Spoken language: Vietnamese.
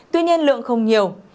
tuy nhiên lượng không nhiều